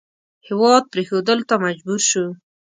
هېواد پرېښودلو ته مجبور شو.